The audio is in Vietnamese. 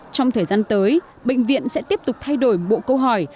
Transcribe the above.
trong thời gian tới bệnh viện sẽ tiếp tục thay đổi bộ câu hỏi